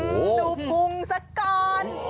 โอ้โฮดูพุงสักก่อน